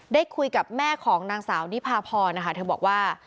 ได้คุยกับแม่ของนางสาวนิพาพรนะคะเธอบอกว่า